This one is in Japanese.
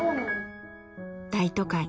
大都会